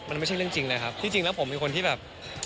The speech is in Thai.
มันไม่ใช่เรื่องจริงเลยครับที่จริงแล้วผมเป็นคนที่แบบ